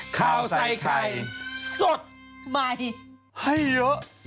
ข่าวใส่ไข่สดใหม่ให้เยอะ